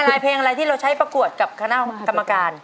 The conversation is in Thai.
เพลงอะไรที่เราใช้ประกวดกับคณะกรรมการ